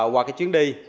qua chuyến đi